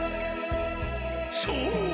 そう！